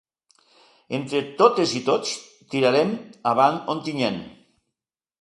Entre totes i tots, tirarem avant Ontinyent.